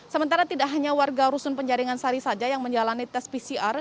sementara tidak hanya warga rusun penjaringan sari saja yang menjalani tes pcr